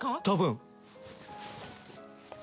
多分。